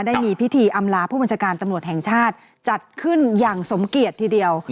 ได้มีพิธีอำลาผู้บัญชาการตำรวจแห่งชาติจัดขึ้นอย่างสมเกียจทีเดียว